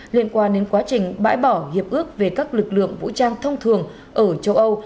liên quan đến quá trình bãi bỏ hiệp ước về các lực lượng vũ trang thông thường ở châu âu